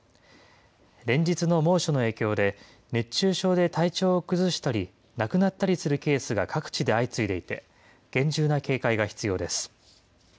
連日の猛暑の影響で、熱中症で体調を崩したり、亡くなったりするケースが各地で相次いでいて、厳重な警戒が必要です。